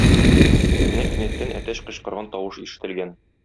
Менә кинәттән әтәч кычкырган тавыш ишетелгән.